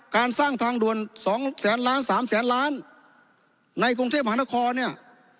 การสร้างทางด่วนสองแสนล้านสามแสนล้านในกรุงเทพมหานครเนี่ย